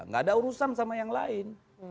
gak ada urusan sama yang lain